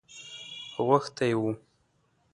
غوښتی وو.